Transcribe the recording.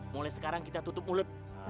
mulai sekarang kita tutup mulut